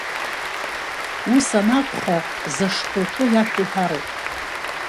Ус анакәха, зашхәа уҭоу иашәа уҳәароуп.